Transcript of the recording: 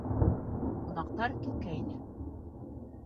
Ҡунаҡтар киткәйне.